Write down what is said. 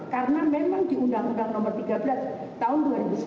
karena memang di undang undang nomor tiga belas tahun dua ribu sebelas